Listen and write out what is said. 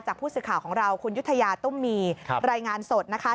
ผู้สื่อข่าวของเราคุณยุธยาตุ้มมีรายงานสดนะคะ